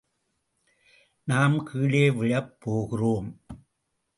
நாம் கீழே விழப் போகிறோம்.